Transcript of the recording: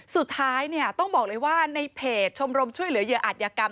สุดท้ายเนี่ยต้องบอกเลยว่าในเพจชมรมช่วยเหลือเหยื่ออาจยากรรม